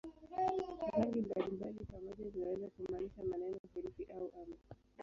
Rangi mbalimbali pamoja zinaweza kumaanisha maneno, herufi au amri.